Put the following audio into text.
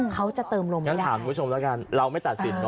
เขาจะเติมลมงั้นถามคุณผู้ชมแล้วกันเราไม่ตัดสินเน